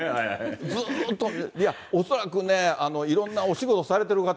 ずっと、恐らくね、いろんなお仕事されてる方